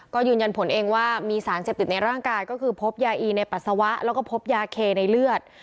ก็ยืนยันผลเองว่ามีสารเสพติดในร่างกายก็คือพบยาอีในปัสสาวะแล้วก็พบยาเคในเลือด